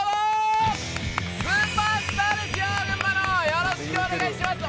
よろしくお願いします！